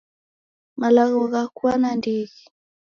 Malagho ghakua nandighi.